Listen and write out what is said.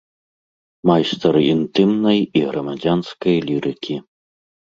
Майстар інтымнай і грамадзянскай лірыкі.